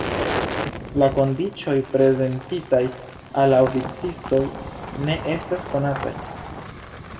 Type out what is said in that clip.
La kondiĉoj prezentitaj al la oficistoj ne estas konataj.